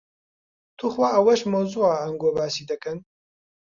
توخوا ئەوەش مەوزوعە ئەنگۆ باسی دەکەن.